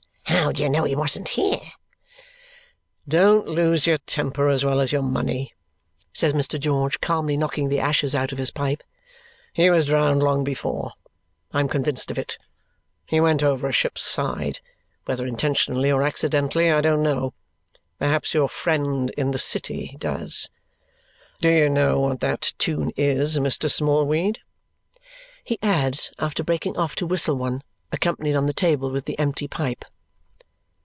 "How do you know he wasn't here?" "Don't lose your temper as well as your money," says Mr. George, calmly knocking the ashes out of his pipe. "He was drowned long before. I am convinced of it. He went over a ship's side. Whether intentionally or accidentally, I don't know. Perhaps your friend in the city does. Do you know what that tune is, Mr. Smallweed?" he adds after breaking off to whistle one, accompanied on the table with the empty pipe.